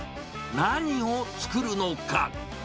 何を作るのか。